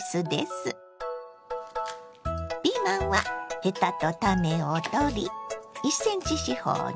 ピーマンはヘタと種を取り１ｃｍ四方に。